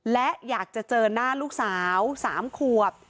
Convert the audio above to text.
และอยากจะเจอหน้าลูกสาว๓ขวบ